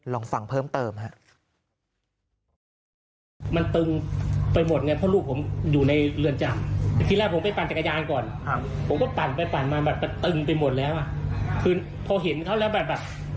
ลองฟังเพิ่มเติมครับ